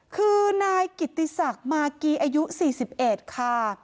คือนายกิติศักดิ์มากีอายุ๔๑ค่ะ